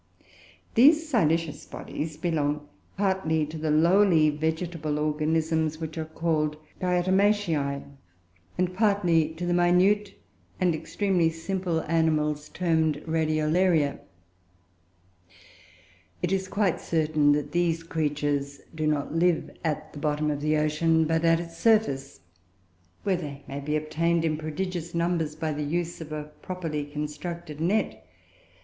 These silicious bodies belong partly to the lowly vegetable organisms which are called Diatomaceoe, and partly to the minute, and extremely simple, animals, termed Radiolaria. It is quite certain that these creatures do not live at the bottom of the ocean, but at its surface where they may be obtained in prodigious numbers by the use of a properly constructed net.